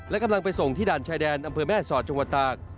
และกำลังไปส่งที่ด่านชายแดนอำเภอแม่สอดจังหวัดตาก